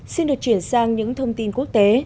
xin được chuyển sang những thông tin quốc tế